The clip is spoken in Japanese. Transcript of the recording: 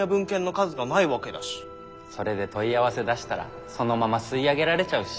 それで問い合わせ出したらそのまま吸い上げられちゃうし。